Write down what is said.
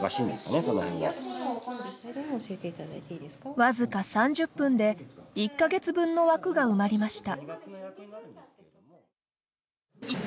僅か３０分で１か月分の枠が埋まりました。